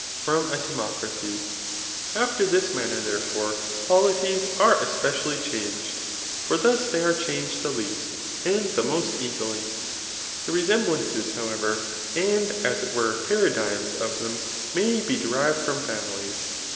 from a timocracy]. After this manner, therdbre, polities are eq^edaUy rhanged ; for thus they are changed the least, a^ the most easily^ The resemblance, however, and as it vote paradigms of them may be derived from families.